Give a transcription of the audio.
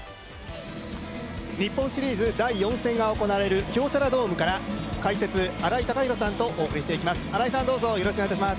日本シリーズ第４戦が行われる京セラドームから解説、新井貴浩さんとお送りしていきます。